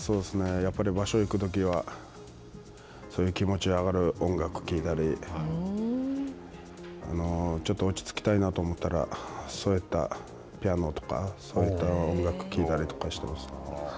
やっぱり場所に行くときにはそういう気持ちの上がる音楽を聴いたりちょっと落ち着きたいなと思ったらそういったピアノとかそういった音楽を聴いたりとかしています。